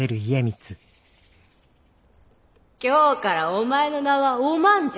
今日からお前の名はお万じゃ。